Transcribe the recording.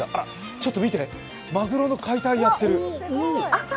ちょっと見て、マグロの解体やってる。